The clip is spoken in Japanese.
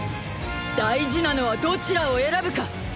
大事なのはどちらを選ぶか。